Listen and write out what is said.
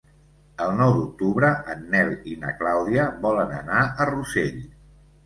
El nou d'octubre en Nel i na Clàudia volen anar a Rossell.